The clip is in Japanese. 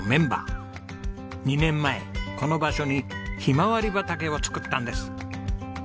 ２年前この場所にひまわり畑を作ったんです。